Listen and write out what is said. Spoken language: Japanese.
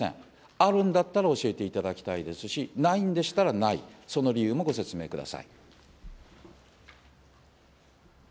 あるんだったら教えていただきたいですし、ないんでしたらない、その理由もご説明ください。